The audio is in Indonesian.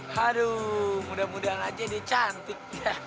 haduh mudah mudahan aja ini cantik